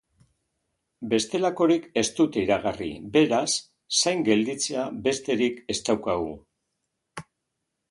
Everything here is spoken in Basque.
Bestelakorik ez dute iragarri, beraz, zain gelditzea besterik ez daukagu.